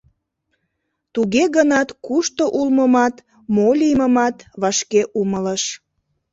Туге гынат кушто улмымат, мо лиймымат вашке умылыш.